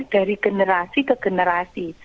dari generasi ke generasi